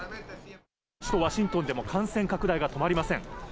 首都ワシントンでも感染拡大が止まりません。